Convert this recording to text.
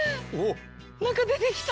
何か出てきた。